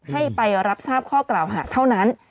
ให้ไปรับทราบข้อกล่าวหาเท่านั้น